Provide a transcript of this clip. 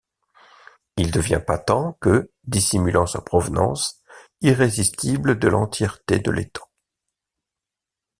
Il devient patent, que, dissimulant sa provenance, irrésistible de l'entièreté de l'étant.